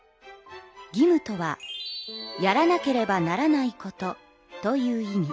義務とは「やらなければならないこと」という意味。